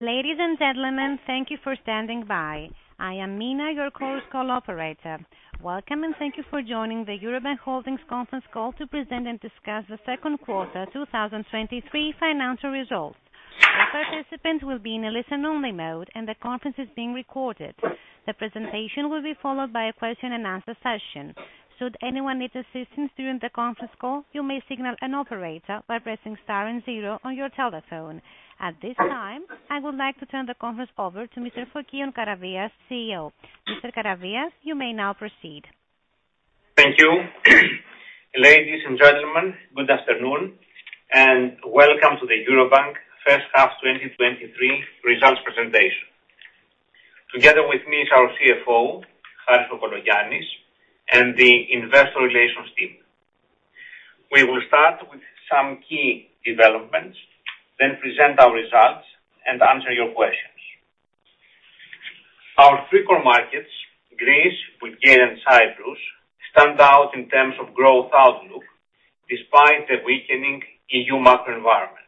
Ladies and gentlemen, thank you for standing by. I am Mina, your core call operator. Welcome, and thank you for joining the Eurobank Holdings conference call to present and discuss the second quarter 2023 financial results. All participants will be in a listen-only mode, and the conference is being recorded. The presentation will be followed by a question and answer session. Should anyone need assistance during the conference call, you may signal an operator by pressing star and zero on your telephone. At this time, I would like to turn the conference over to Mr. Fokion Karavias, CEO. Mr. Karavias, you may now proceed. Thank you. Ladies and gentlemen, good afternoon, and welcome to the Eurobank first half 2023 results presentation. Together with me is our CFO, Harris Kokologiannis, and the investor relations team. We will start with some key developments, then present our results and answer your questions. Our three core markets, Greece, Bulgaria, and Cyprus, stand out in terms of growth outlook, despite the weakening EU macro environment.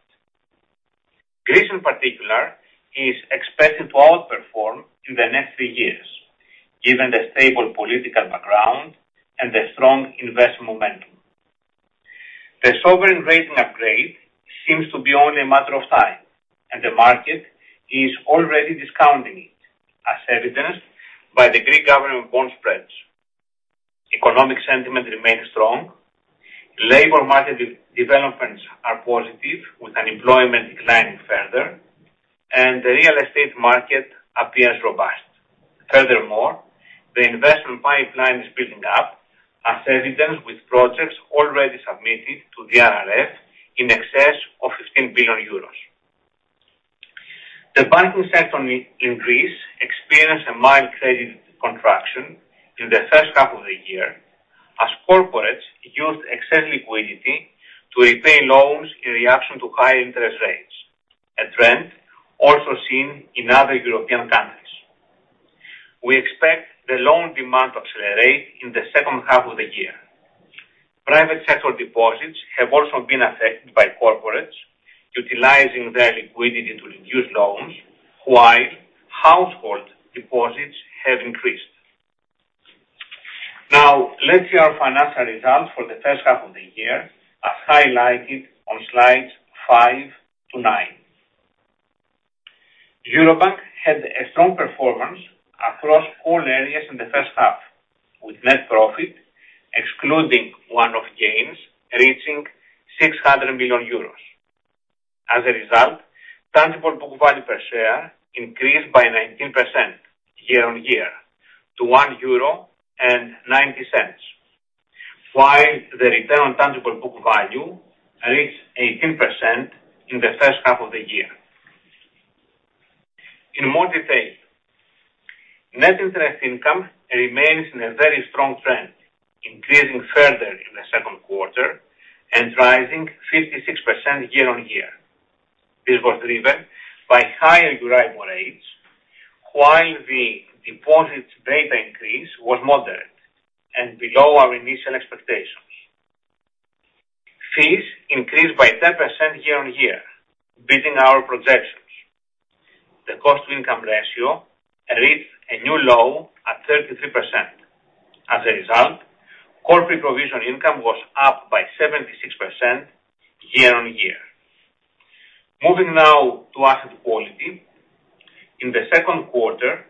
Greece, in particular, is expected to outperform in the next three years, given the stable political background and the strong investment momentum. The sovereign rating upgrade seems to be only a matter of time, and the market is already discounting it, as evidenced by the Greek government bond spreads. Economic sentiment remains strong, labor market developments are positive, with unemployment declining further, and the real estate market appears robust. Furthermore, the investment pipeline is building up, as evidenced with projects already submitted to the RRF in excess of 15 billion euros. The banking sector in Greece experienced a mild credit contraction in the first half of the year, as corporates used excess liquidity to repay loans in reaction to high interest rates, a trend also seen in other European countries. We expect the loan demand to accelerate in the second half of the year. Private sector deposits have also been affected by corporates utilizing their liquidity to reduce loans, while household deposits have increased. Let's see our financial results for the first half of the year, as highlighted on slides 5 to 9. Eurobank had a strong performance across all areas in the first half, with net profit, excluding one-off gains, reaching 600 million euros. As a result, tangible book value per share increased by 19% year-on-year to 1.90 euro, while the return on tangible book value reached 18% in the first half of the year. In more detail, net interest income remains in a very strong trend, increasing further in the second quarter and rising 56% year-on-year. This was driven by higher Euribor rates, while the deposit beta increase was moderate and below our initial expectations. Fees increased by 10% year-on-year, beating our projections. The cost-to-income ratio reached a new low at 33%. As a result, core pre-provision income was up by 76% year-on-year. Moving now to asset quality. In the second quarter,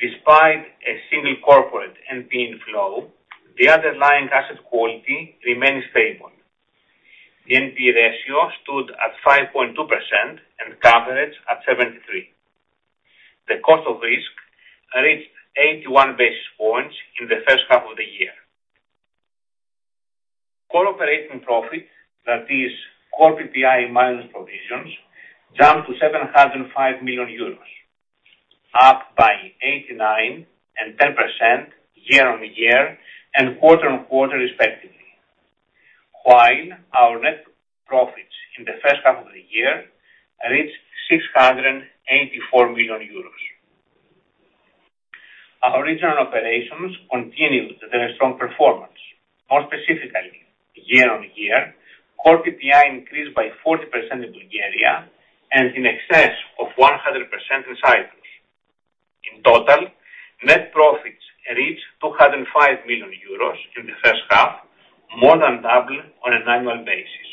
despite a single corporate NP inflow, the underlying asset quality remained stable. The NPE ratio stood at 5.2%, and coverage at 73. The cost of risk reached 81 basis points in the first half of the year. Core operating profit, that is, Core PPI minus provisions, jumped to 705 million euros, up by 89% and 10% year-on-year and quarter-on-quarter, respectively. Our net profits in the first half of the year reached 684 million euros. Our regional operations continued with their strong performance. More specifically, year-on-year, Core PPI increased by 40% in Bulgaria and in excess of 100% in Cyprus. In total, net profits reached 205 million euros in the first half, more than double on an annual basis.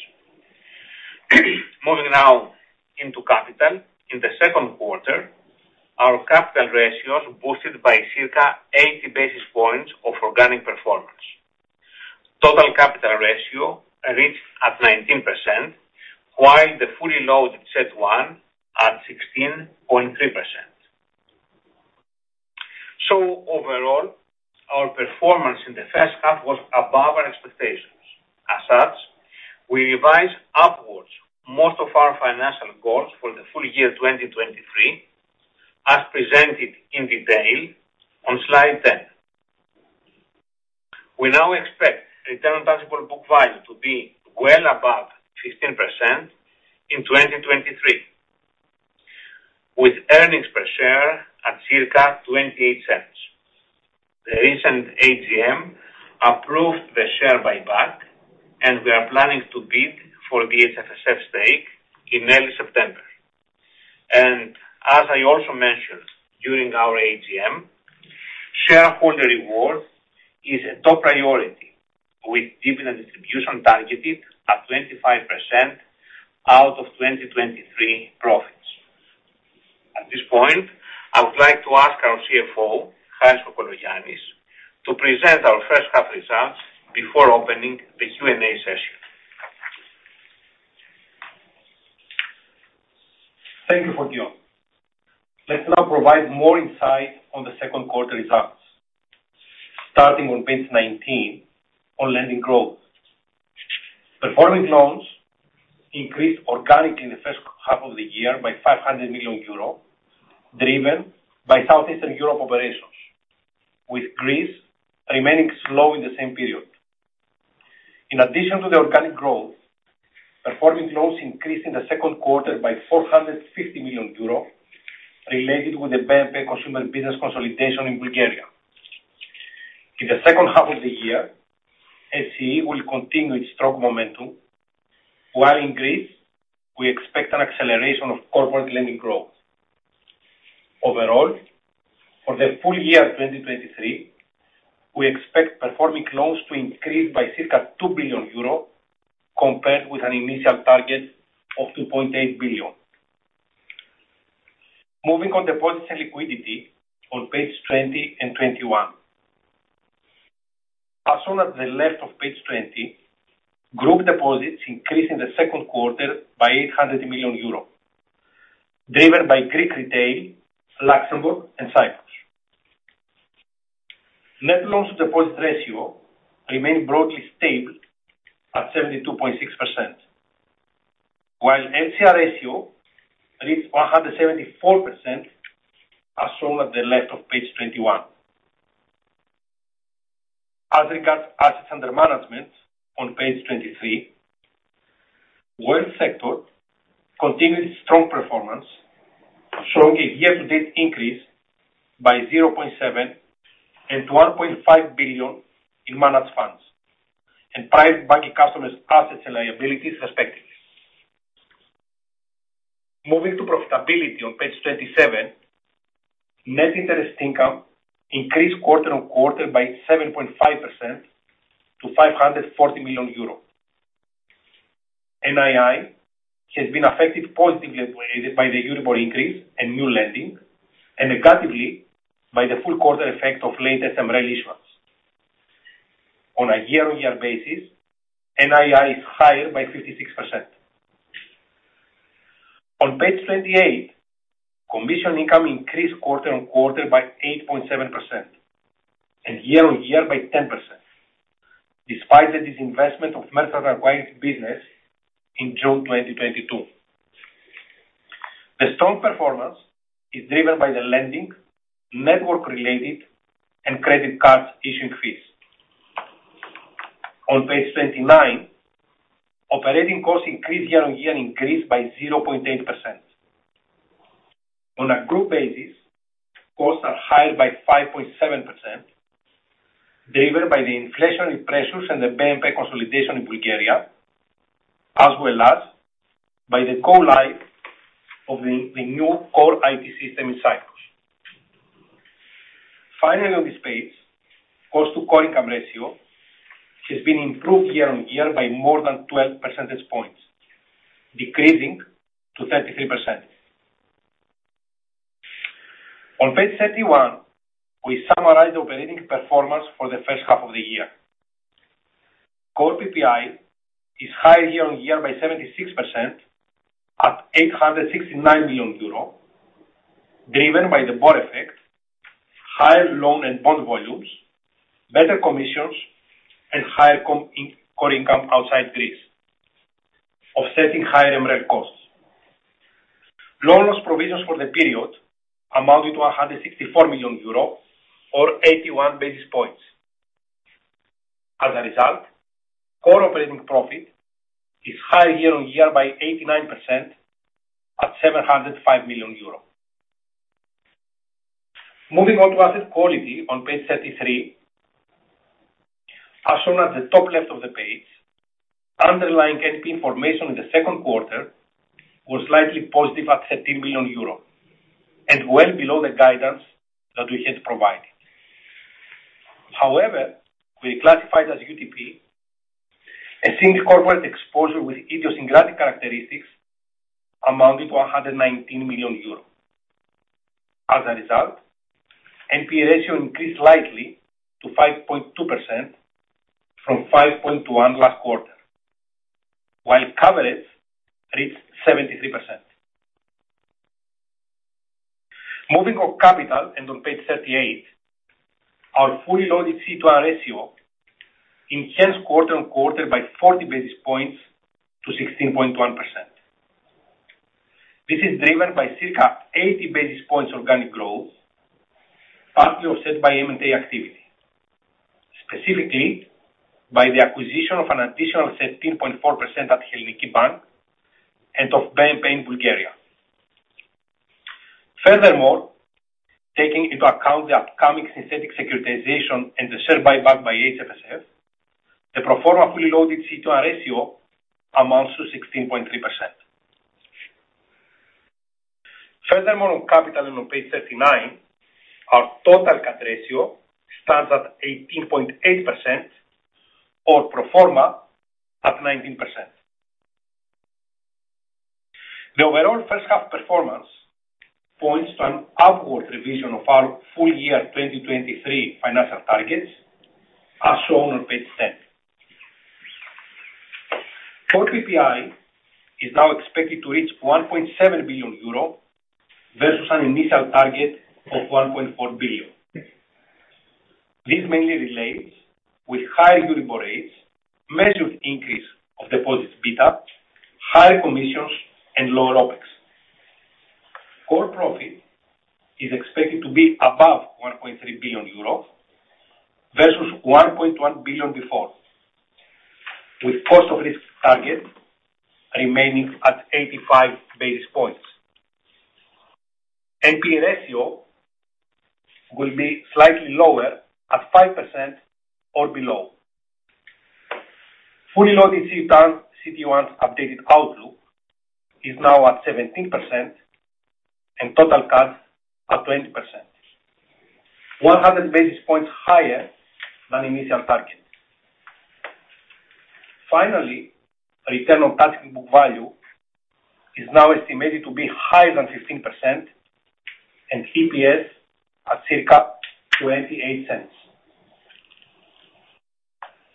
Moving now into capital. In the second quarter, our capital ratios boosted by circa 80 basis points of organic performance. Total capital ratio reached at 19%, while the fully loaded CET1 at 16.3%. Overall, our performance in the first half was above our expectations. As such, we revised upwards most of our financial goals for the full year 2023, as presented in detail on slide 10. We now expect return on tangible book value to be well above 15% in 2023, with earnings per share at circa €0.28. The recent AGM approved the share buyback, and we are planning to bid for the HFSF stake in early September. As I also mentioned during our AGM, shareholder reward is a top priority, with dividend distribution targeted at 25% out of 2023 profits. At this point, I would like to ask our CFO, Harris Kokologiannis, to present our first half results before opening the Q&A session. Thank you, Fokion. Let's now provide more insight on the second quarter results. Starting on page 19, on lending growth. Performing loans increased organically in the first half of the year by 500 million euro, driven by Southeastern Europe operations, with Greece remaining slow in the same period. In addition to the organic growth, performing loans increased in the second quarter by 450 million euro, related with the BNP consumer business consolidation in Bulgaria. In the second half of the year, SCE will continue its strong momentum, while in Greece, we expect an acceleration of corporate lending growth. Overall, for the full year 2023, we expect performing loans to increase by circa 2 billion euro, compared with an initial target of 2.8 billion. Moving on deposits and liquidity on page 20 and 21. As shown at the left of page 20, group deposits increased in the second quarter by 800 million euro, driven by Greek retail, Luxembourg, and Cyprus. Net loans to deposit ratio remained broadly stable at 72.6%, while LCR ratio reached 174%, as shown at the left of page 21. As regards assets under management on page 23, wealth sector continued its strong performance, showing a year-to-date increase by 0.7 billion and to 1.5 billion in managed funds and private banking customers assets and liabilities, respectively. Moving to profitability on page 27, net interest income increased quarter-on-quarter by 7.5% to EUR 540 million. NII has been affected positively by the Euribor increase and new lending, and negatively by the full quarter effect of late SMRA issuance. On a year-on-year basis, NII is higher by 56%. On page 28, commission income increased quarter-on-quarter by 8.7% and year-on-year by 10%, despite the disinvestment of Merchant Acquiring business in June 2022. The strong performance is driven by the lending, network related, and credit card issue increase. On page 29, operating costs increased year-on-year, increased by 0.8%. On a group basis, costs are higher by 5.7%, driven by the inflationary pressures and the BNP consolidation in Bulgaria, as well as by the go-live of the new core IT system in Cyprus. Finally, on this page, cost to core income ratio has been improved year-on-year by more than 12 percentage points, decreasing to 33%. On page 31, we summarize operating performance for the first half of the year. Core PPI is higher year-on-year by 76%, at 869 million euro, driven by the Euribor effect, higher loan and bond volumes, better commissions, and higher core income outside Greece, offsetting higher MREL costs. Loan loss provisions for the period amounted to 164 million euro or 81 basis points. As a result, core operating profit is higher year-on-year by 89% at 705 million euro. Moving on to asset quality on page 33. As shown at the top left of the page, underlying NPE formation in the second quarter was slightly positive at 13 billion euro, well below the guidance that we had provided. However, we classified as UTP, a single corporate exposure with idiosyncratic characteristics amounting to 119 million euros. As a result, NPE ratio increased slightly to 5.2% from 5.1 last quarter, while coverage reached 73%. Moving on capital and on page 38, our fully loaded CET1 ratio enhanced quarter-on-quarter by 40 basis points to 16.1%. This is driven by circa 80 basis points organic growth, partly offset by M&A activity, specifically by the acquisition of an additional 13.4% at Hellenic Bank and of BNP in Bulgaria. Taking into account the upcoming synthetic securitization and the share buyback by HFSF, the pro forma fully loaded CET1 ratio amounts to 16.3%. On capital and on page 39, our total capital ratio stands at 18.8% or pro forma at 19%. The overall first half performance points to an upward revision of our full year 2023 financial targets, as shown on page 10. Core PPI is now expected to reach 1.7 billion euro versus an initial target of 1.4 billion. This mainly relates with high Euribor rates, measured increase of deposit beta, high commissions, and lower OpEx. Core profit is expected to be above 1.3 billion euro versus 1.1 billion before, with cost of risk target remaining at 85 basis points. NPL ratio will be slightly lower at 5% or below. Fully loaded CET1, CET1 updated outlook is now at 17% and total cuts at 20%, 100 basis points higher than initial target. Finally, return on tangible book value is now estimated to be higher than 15% and EPS at circa 0.28.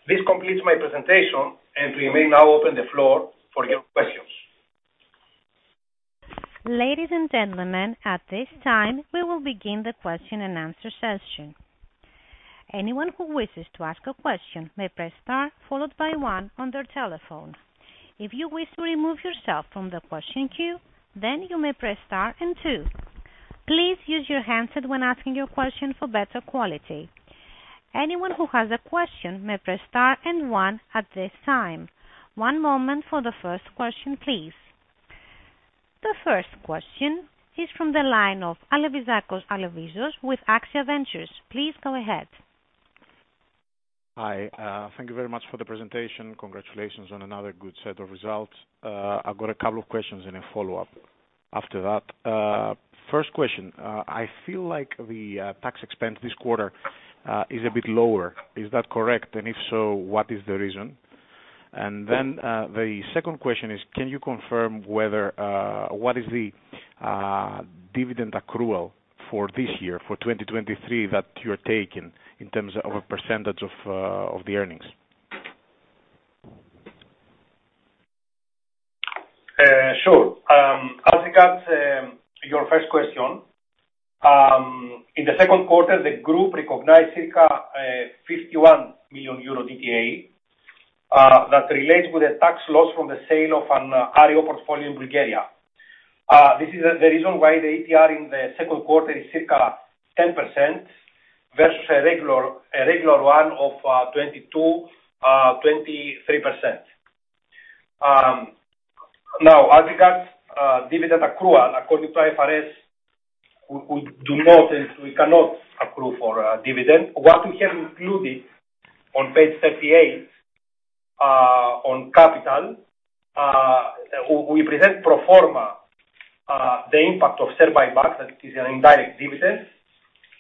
This completes my presentation, and we may now open the floor for your questions. Ladies and gentlemen, at this time, we will begin the question and answer session. Anyone who wishes to ask a question may press star, followed by one on their telephone. If you wish to remove yourself from the question queue, then you may press star and two. Please use your handset when asking your question for better quality. Anyone who has a question may press star and one at this time. One moment for the first question, please. The first question is from the line of Alevizos Alevizakos with Axia Ventures. Please go ahead. Hi, thank you very much for the presentation. Congratulations on another good set of results. I've got a couple of questions and a follow-up after that. First question, I feel like the tax expense this quarter is a bit lower. Is that correct? If so, what is the reason? Then, the second question is, can you confirm whether what is the dividend accrual for this year, for 2023, that you're taking in terms of a % of the earnings? Sure. As regards your first question, in the second quarter, the group recognized circa 51 million euro DTA that relates with the tax loss from the sale of an REO portfolio in Bulgaria. This is the reason why the ETR in the second quarter is circa 10% versus a regular one of 22%-23%. Now, as regards dividend accrual, according to IFRS, we do not and we cannot approve for a dividend. What we have included on page 38 on capital, we present pro forma the impact of share buyback, that is an indirect dividend,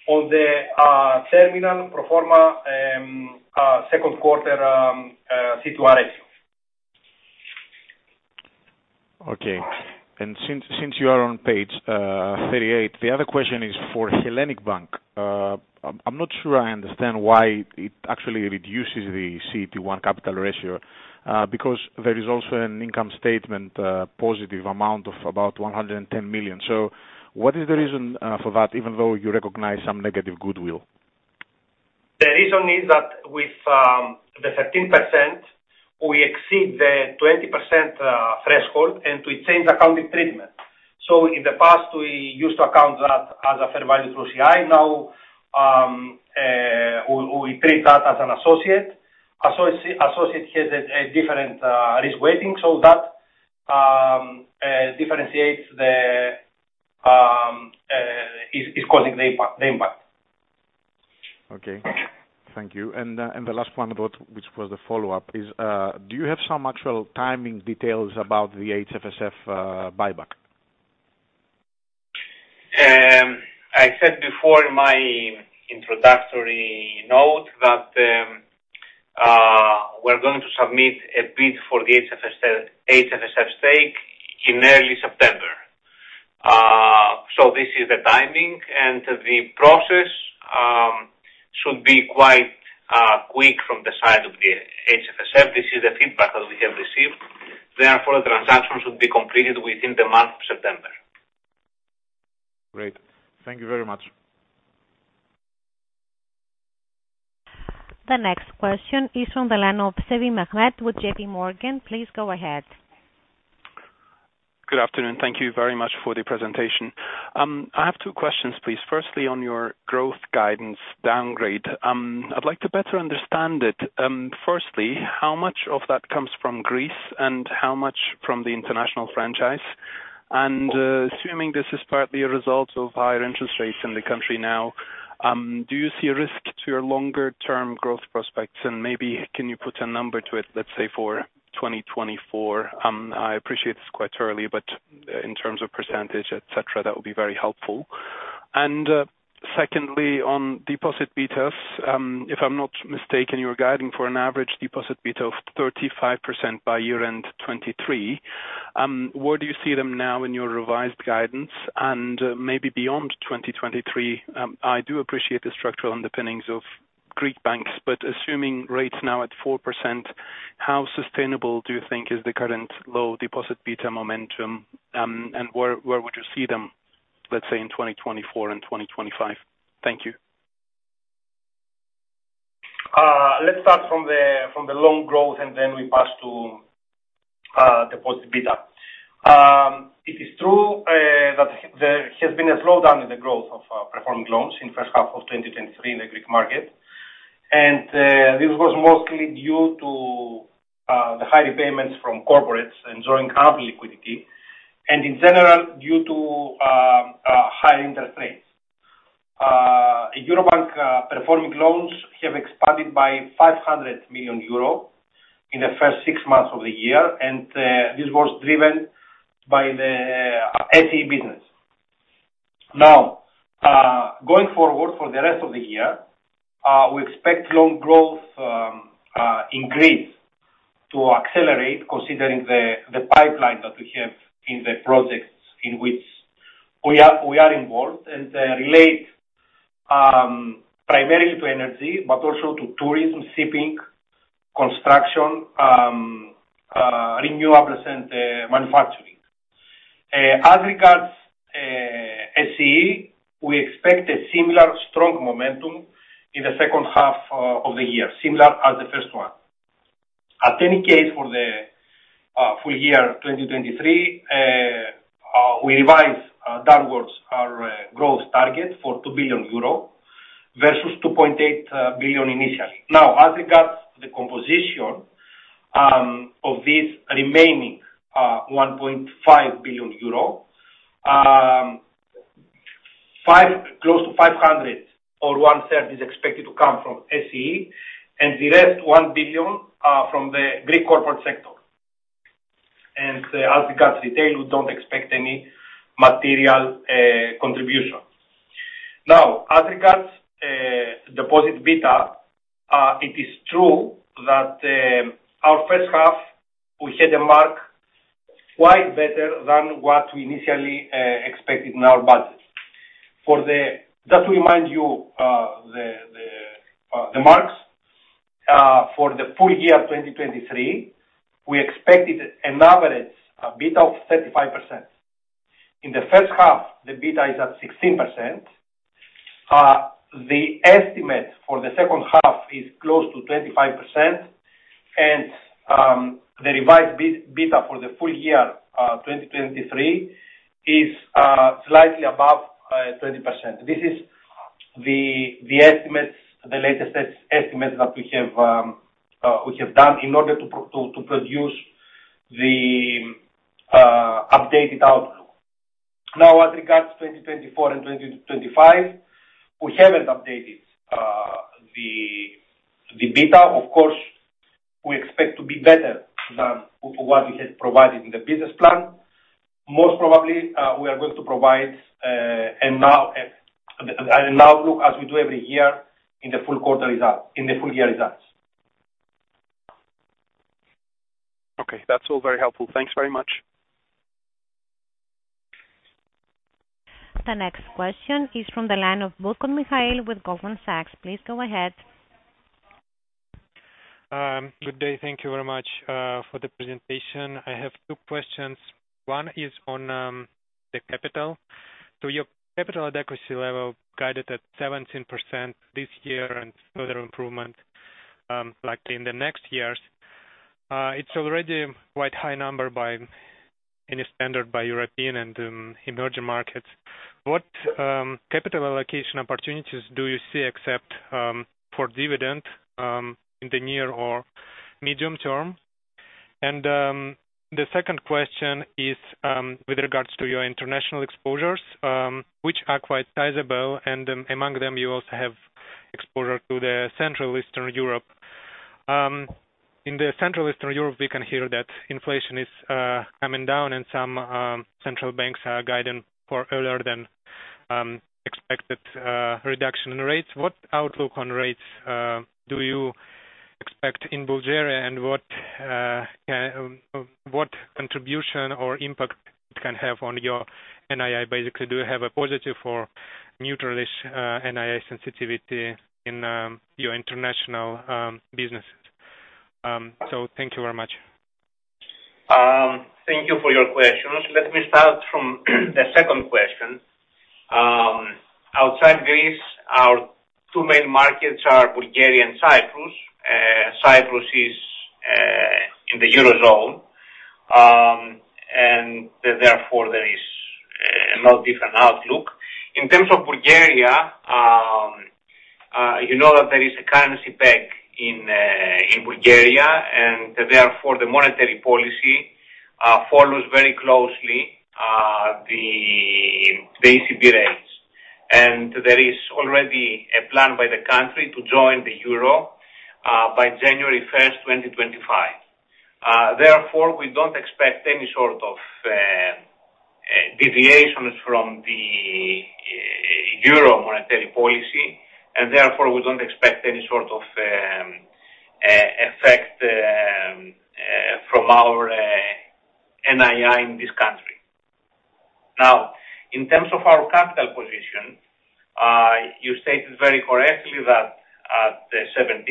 on the terminal pro forma second quarter CET1 ratio. Okay. Since, since you are on page 38, the other question is for Hellenic Bank. I'm, I'm not sure I understand why it actually reduces the CET1 capital ratio, because there is also an income statement positive amount of about 110 million. What is the reason for that, even though you recognize some negative goodwill? The reason is that with, the 13%, we exceed the 20% threshold, and we change accounting treatment. In the past, we used to account that as a fair value through OCI. Now, we, we treat that as an associate. Associate, associate has a, a different risk weighting, so that differentiates the is, is causing the impact, the impact. Okay, thank you. The last one about which was the follow-up is, do you have some actual timing details about the HFSF buyback? I said before in my introductory note that we're going to submit a bid for the HFSF, HFSF stake in early September. This is the timing, and the process should be quite quick from the side of the HFSF. This is the feedback that we have received. Therefore, the transaction should be completed within the month of September. Great. Thank you very much. The next question is from the line of Mehmet Sevim with JPMorgan. Please go ahead. Good afternoon. Thank you very much for the presentation. I have two questions, please. Firstly, on your growth guidance downgrade, I'd like to better understand it. Firstly, how much of that comes from Greece, and how much from the international franchise? Assuming this is partly a result of higher interest rates in the country now, do you see a risk to your longer term growth prospects? Maybe can you put a number to it, let's say, for 2024? I appreciate it's quite early, but, in terms of percentage, et cetera, that would be very helpful. Secondly, on deposit betas, if I'm not mistaken, you're guiding for an average deposit beta of 35% by year-end 2023. Where do you see them now in your revised guidance? Maybe beyond 2023, I do appreciate the structural underpinnings of Greek banks, but assuming rates now at 4%, how sustainable do you think is the current low deposit beta momentum? Where, where would you see them, let's say, in 2024 and 2025? Thank you. Let's start from the, from the loan growth, and then we pass to deposit beta. It is true that there has been a slowdown in the growth of performing loans in first half of 2023 in the Greek market. This was mostly due to the high repayments from corporates and drawing current liquidity, and in general, due to high interest rates. Eurobank performing loans have expanded by 500 million euro in the first 6 months of the year, and this was driven by the SEE business. Going forward for the rest of the year, we expect loan growth in Greece to accelerate considering the pipeline that we have in the projects in which we are involved, and they relate primarily to energy, but also to tourism, shipping, construction, renewables, and manufacturing. As regards SEE, we expect a similar strong momentum in the second half of the year, similar as the first one. At any case, for the full year 2023, we revise downwards our growth target for 2 billion euro versus 2.8 billion initially. Now, as regards to the composition of this remaining 1.5 billion euro, close to 500 million or one third is expected to come from SEE, the rest 1 billion from the Greek corporate sector. As regards retail, we don't expect any material contribution. Now, as regards deposit beta, it is true that our first half, we set a mark quite better than what we initially expected in our budget. Just to remind you, the marks for the full year 2023, we expected an average, a beta of 35%. In the first half, the beta is at 16%. The estimate for the second half is close to 25%, and the revised beta for the full year 2023, is slightly above 20%. This is the, the estimates, the latest estimate that we have, we have done in order to produce the updated outlook. Now, as regards 2024 and 2025, we haven't updated the, the beta. Of course, we expect to be better than what we had provided in the business plan. Most probably, we are going to provide and now an outlook as we do every year in the full year results. Okay, that's all very helpful. Thanks very much. The next question is from the line of Mikhail Butkov with Goldman Sachs. Please go ahead. Good day. Thank you very much for the presentation. I have two questions. One is on the capital. Your capital adequacy level guided at 17% this year and further improvement like in the next years. It's already quite high number by any standard, by European and emerging markets. What capital allocation opportunities do you see except for dividend in the near or medium term? The second question is with regards to your international exposures, which are quite sizable, and among them, you also have exposure to the Central Eastern Europe. In the Central Eastern Europe, we can hear that inflation is coming down and some central banks are guiding for earlier than expected reduction in rates. What outlook on rates do you expect in Bulgaria, and what contribution or impact it can have on your NII? Basically, do you have a positive or neutralish NII sensitivity in your international businesses? Thank you very much. Thank you for your questions. Let me start from the second question. Outside Greece, our two main markets are Bulgaria and Cyprus. Cyprus is in the Eurozone, therefore there is no different outlook. In terms of Bulgaria.... you know that there is a currency peg in Bulgaria, and therefore, the monetary policy follows very closely ECB rates. There is already a plan by the country to join the euro by January 1, 2025. Therefore, we don't expect any sort of deviations from the euro monetary policy, and therefore, we don't expect any sort of effect from our NII in this country. Now, in terms of our capital position, you stated very correctly that, at the 70%,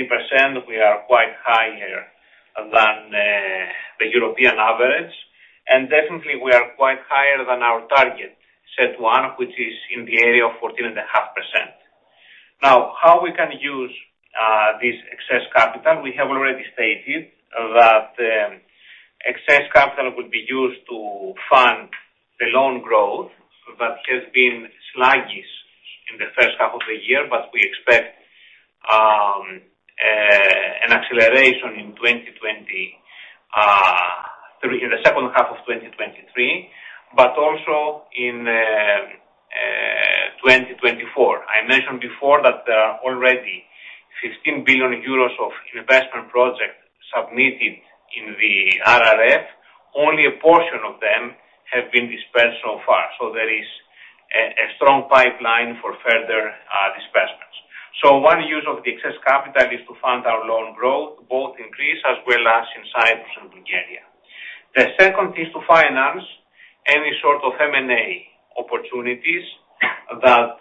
we are quite higher than the European average, and definitely we are quite higher than our target, CET1, which is in the area of 14.5%. Now, how we can use this excess capital? We have already stated that excess capital will be used to fund the loan growth, that has been sluggish in the first half of the year, but we expect an acceleration through in the second half of 2023, but also in 2024. I mentioned before that there are already 15 billion euros of investment projects submitted in the RRF. Only a portion of them have been dispersed so far. There is a strong pipeline for further disbursements. One use of the excess capital is to fund our loan growth, both in Greece as well as in Cyprus and Bulgaria. The second is to finance any sort of M&A opportunities that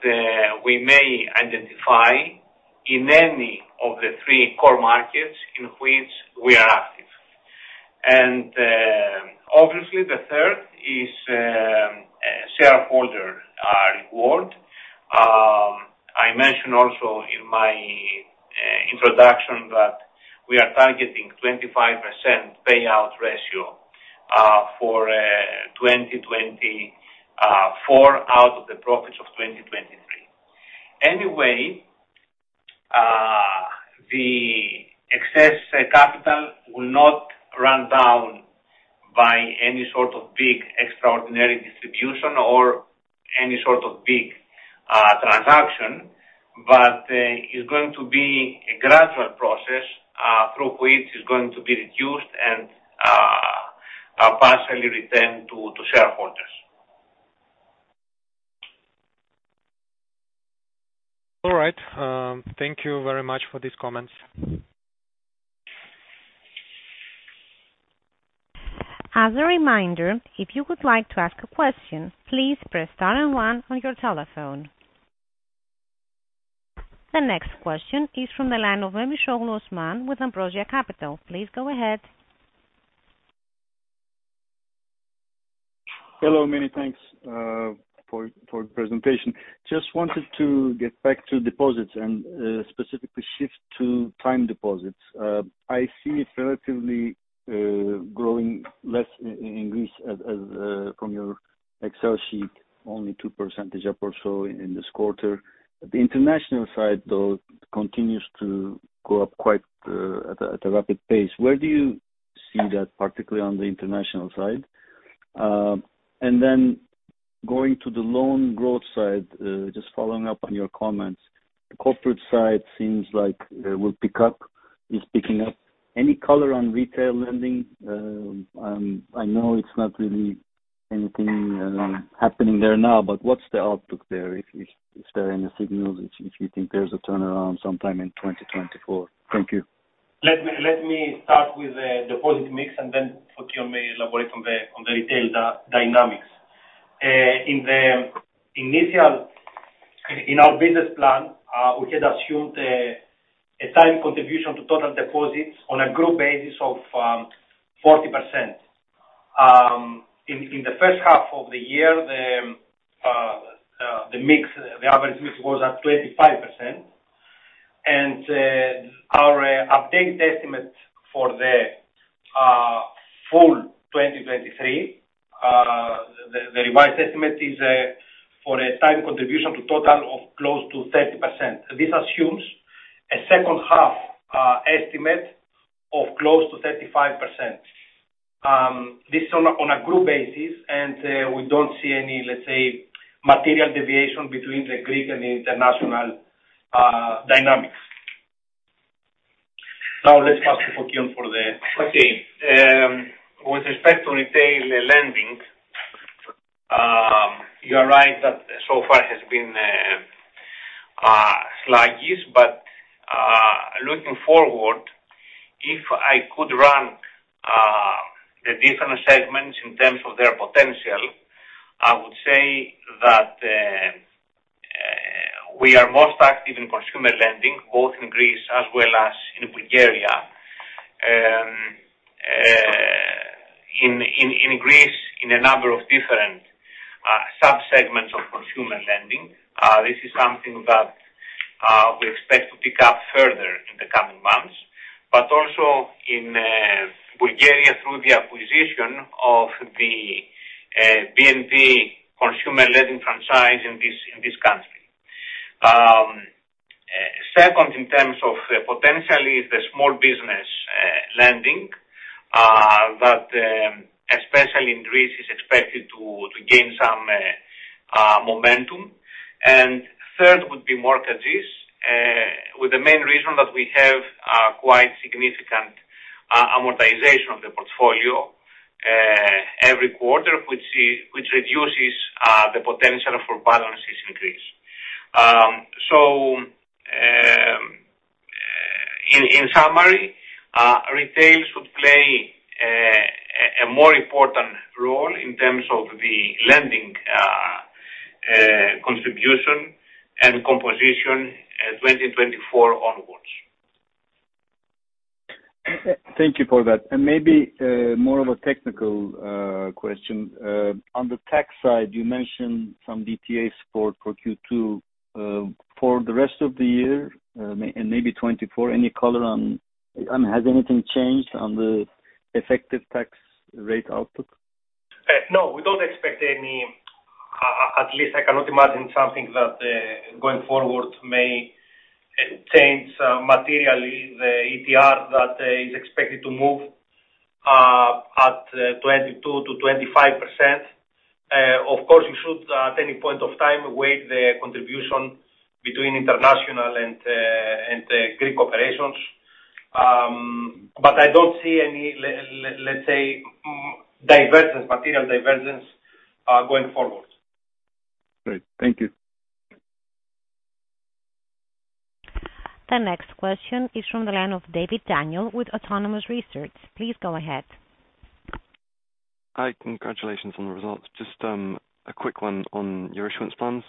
we may identify in any of the three core markets in which we are active. Obviously, the third is shareholder reward. I mentioned also in my introduction that we are targeting 25% payout ratio for 2024, out of the profits of 2023. Anyway, the excess capital will not run down by any sort of big extraordinary distribution or any sort of big transaction, but is going to be a gradual process through which is going to be reduced and partially returned to shareholders. All right. Thank you very much for these comments. As a reminder, if you would like to ask a question, please press star and 1 on your telephone. The next question is from the line of Osman Memisoglu with Ambrosia Capital. Please go ahead. Hello, many thanks for the presentation. Just wanted to get back to deposits and specifically shift to time deposits. I see it relatively growing less in Greece as, as from your Excel sheet, only 2% up or so in this quarter. The international side, though, continues to go up quite at a rapid pace. Where do you see that, particularly on the international side? Then going to the loan growth side, just following up on your comments, the corporate side seems like will pick up, is picking up. Any color on retail lending? I know it's not really anything happening there now, but what's the outlook there, if, if, if there are any signals, if, if you think there's a turnaround sometime in 2024? Thank you. Let me start with the deposit mix, and then Fokion may elaborate on the retail dynamics. In the initial, in our business plan, we had assumed a time contribution to total deposits on a group basis of 40%. In the first half of the year, the mix, the average mix was at 25%. Our updated estimate for the full 2023, the revised estimate is for a time contribution to total of close to 30%. This assumes a second half estimate of close to 35%. This is on a group basis, and we don't see any, let's say, material deviation between the Greek and the international dynamics. Now let's pass to Fotio. Okay. With respect to retail lending, you are right that so far has been sluggish. Looking forward, if I could run the different segments in terms of their potential, I would say that we are most active in consumer lending, both in Greece as well as in Bulgaria. In, in, in Greece, in a number of different sub-segments of consumer lending, this is something that we expect to pick up further in the coming months.... in Bulgaria through the acquisition of the BNP consumer lending franchise in this country. Second, in terms of potentially the small business lending that especially in Greece, is expected to gain some momentum. Third would be mortgages, with the main reason that we have quite significant amortization of the portfolio every quarter, which reduces the potential for balances increase. In summary, retail should play a more important role in terms of the lending contribution and composition, 2024 onwards. Thank you for that. Maybe, more of a technical, question? On the tax side, you mentioned some DTA support for Q2. For the rest of the year, and maybe 2024, any color on, on has anything changed on the Effective Tax Rate output? No, we don't expect any, at least I cannot imagine something that going forward may change materially the ETR that is expected to move at 22%-25%. Of course, you should, at any point of time, weigh the contribution between international and Greek operations. I don't see any, let's say, divergence, material divergence, going forward. Great, thank you. The next question is from the line of Daniel David with Autonomous Research. Please go ahead. Hi, congratulations on the results. Just a quick one on your issuance plans,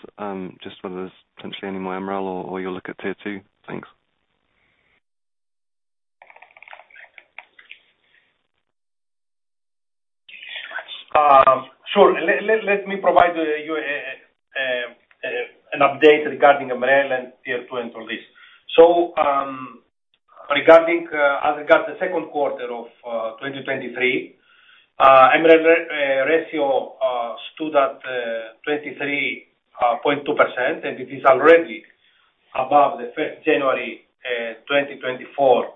just whether there's potentially any more MREL or, or you'll look at Tier 2? Thanks. Sure. Let me provide you an update regarding MREL and Tier 2 and all this. Regarding as regards the second quarter of 2023, MREL ratio stood at 23.2%, and it is already above the 1st January 2024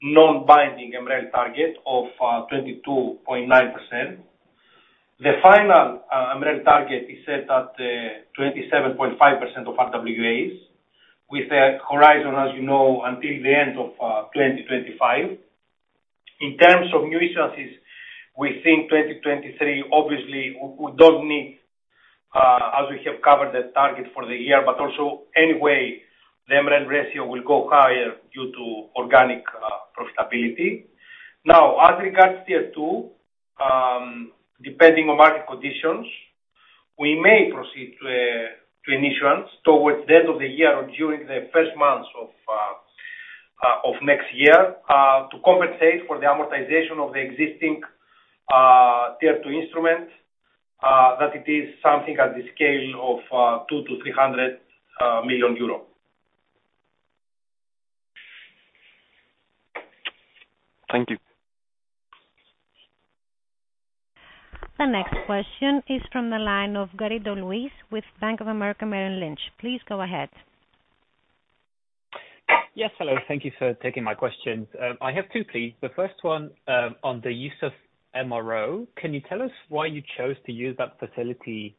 non-binding MREL target of 22.9%. The final MREL target is set at 27.5% of RWAs, with a horizon, as you know, until the end of 2025. In terms of new issuances, we think 2023, obviously, we don't need, as we have covered the target for the year, but also anyway, the MREL ratio will go higher due to organic profitability. As regards Tier 2, depending on market conditions, we may proceed to issuance towards the end of the year or during the first months of next year, to compensate for the amortization of the existing Tier 2 instrument, that it is something at the scale of 200-300 million euro. Thank you. The next question is from the line of Luis Garrido with Bank of America Merrill Lynch. Please go ahead. Yes, hello. Thank you for taking my questions. I have two, please. The first one on the use of MRO. Can you tell us why you chose to use that facility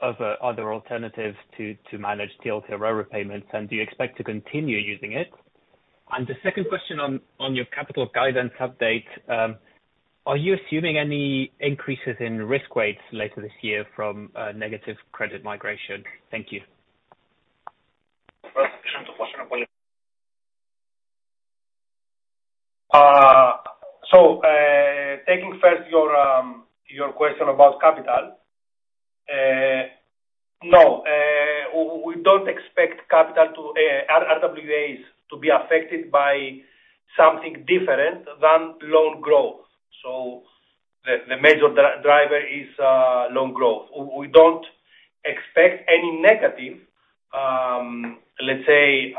over other alternatives to, to manage TLTRO repayments, and do you expect to continue using it? The second question on your capital guidance update, are you assuming any increases in risk weights later this year from negative credit migration? Thank you. Taking first your question about capital, no, we don't expect capital to RWAs to be affected by something different than loan growth. The major driver is loan growth. We don't expect any negative, let's say,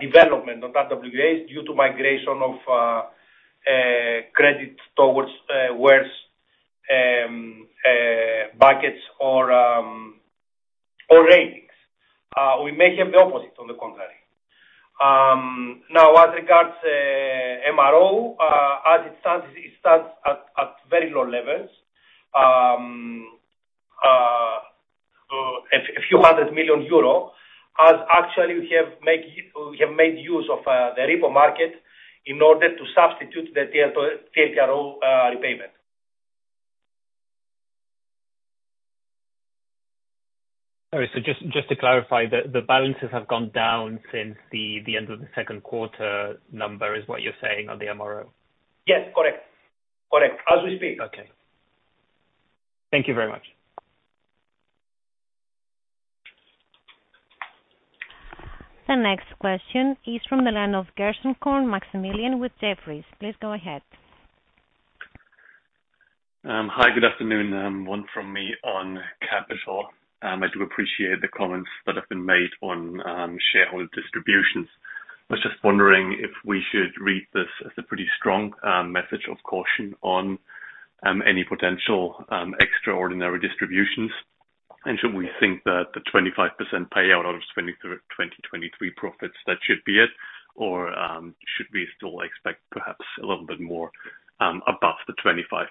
development of RWAs due to migration of credit towards worse buckets or ratings. We may have the opposite, on the contrary. As regards MRO, as it stands, it stands at very low levels, a few hundred million EUR, as actually we have make, we have made use of the repo market in order to substitute the TLTRO repayment. Sorry, just, just to clarify, the, the balances have gone down since the, the end of the second quarter number, is what you're saying on the MRO? Yes, correct. Correct, as we speak. Okay. Thank you very much. The next question is from the line of Jonas Gnaegi with Jefferies. Please go ahead. Hi, good afternoon. One from me on capital. I do appreciate the comments that have been made on shareholder distributions. I was just wondering if we should read this as a pretty strong message of caution on any potential extraordinary distributions. Should we think that the 25% payout of 2023 profits, that should be it? Or should we still expect perhaps a little bit more above the 25%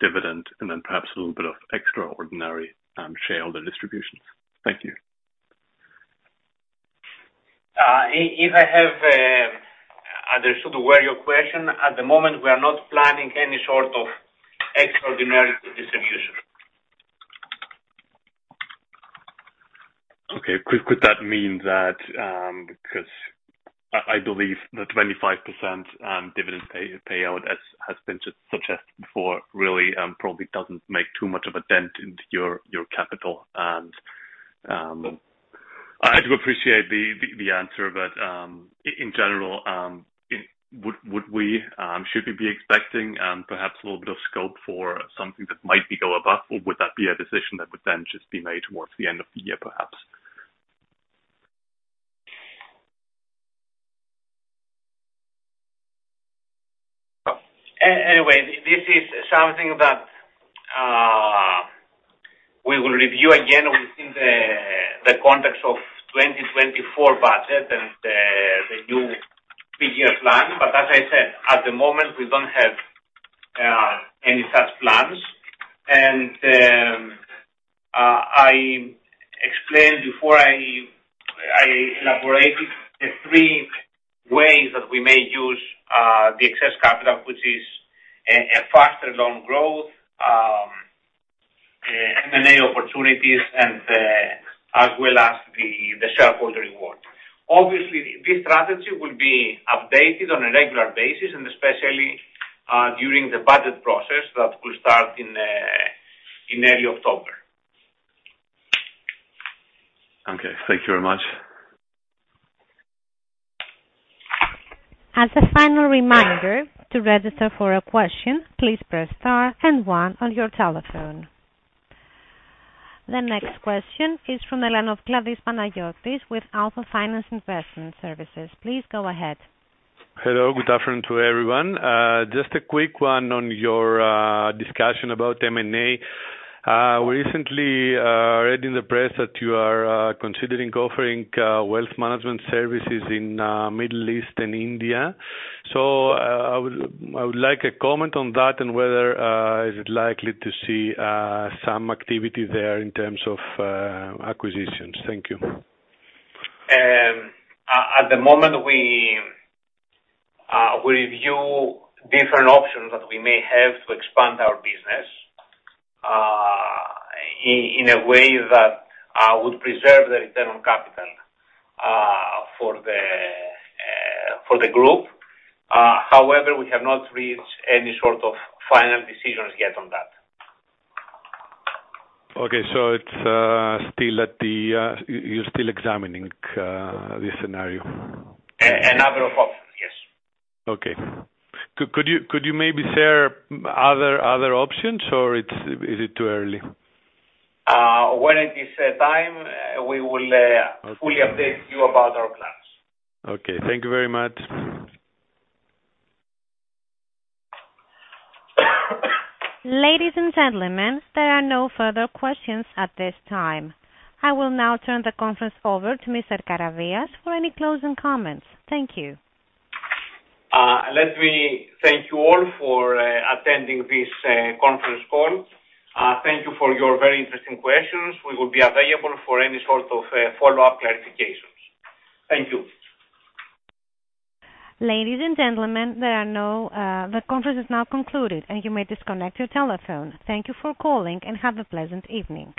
dividend, and then perhaps a little bit of extraordinary shareholder distributions? Thank you. If I have understood well your question, at the moment, we are not planning any sort of extraordinary distribution. Okay. Could that mean that, 'cause I, I believe the 25% dividend payout, as has been suggested before, really, probably doesn't make too much of a dent into your capital, and I do appreciate the answer, but, in general, it. Would we, should we be expecting, perhaps a little bit of scope for something that might be go above, or would that be a decision that would then just be made towards the end of the year, perhaps? Anyway, this is something that we will review again within the context of 2024 budget and the new three-year plan. As I said, at the moment, we don't have any such plans. I explained before I elaborated the three ways that we may use the excess capital, which is a faster loan growth, M&A opportunities, and as well as the shareholder reward. Obviously, this strategy will be updated on a regular basis, and especially, during the budget process that will start in early October. Okay. Thank you very much. As a final reminder, to register for a question, please press star and one on your telephone. The next question is from Elena Koufaki with Alpha Finance Investment Services. Please go ahead. Hello, good afternoon to everyone. Just a quick one on your discussion about M&A. We recently read in the press that you are considering offering wealth management services in Middle East and India. So, I would, I would like a comment on that and whether is it likely to see some activity there in terms of acquisitions? Thank you. At the moment, we review different options that we may have to expand our business, in a way that would preserve the return on capital for the group. However, we have not reached any sort of final decisions yet on that. Okay. It's still at the you're still examining this scenario? A number of options, yes. Okay. Could you, could you maybe share other, other options, or is it too early? When it is time, we will. Okay. fully update you about our plans. Okay. Thank you very much. Ladies and gentlemen, there are no further questions at this time. I will now turn the conference over to Mr. Karavias for any closing comments. Thank you. Let me thank you all for attending this conference call. Thank you for your very interesting questions. We will be available for any sort of follow-up clarifications. Thank you. Ladies and gentlemen, the conference is now concluded, and you may disconnect your telephone. Thank you for calling, and have a pleasant evening.